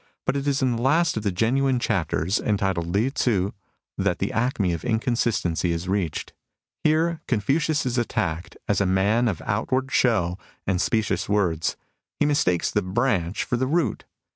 But it is in the last of the genuine chapters, entitled Lieh Tzu, that the acme of inconsistency is reached. Here Confucius is attacked as '' a man of outward show and specious words. He mistakes the branch for the root."